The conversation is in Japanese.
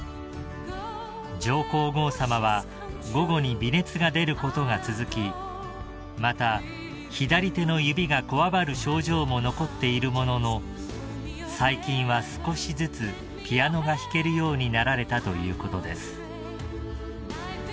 ［上皇后さまは午後に微熱が出ることが続きまた左手の指がこわばる症状も残っているものの最近は少しずつピアノが弾けるようになられたということです］